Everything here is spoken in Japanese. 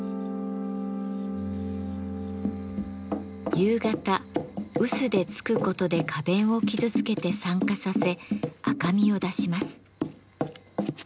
夕方うすでつくことで花弁を傷つけて酸化させ赤みを出します。